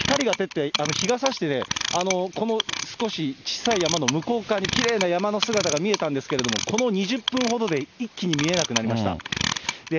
日がさして、この少し小さい山の向こう側に、きれいな山の姿が見えたんですけれども、この２０分ほどで一気に見えなくなりました。